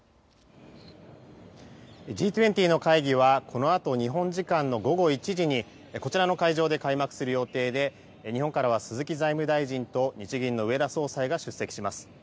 Ｇ２０の会議はこのあと日本時間の午後１時にこちらの会場で開幕する予定で日本から鈴木財務大臣と日銀の植田総裁が出席します。